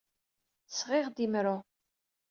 Sɣiɣ-d imru.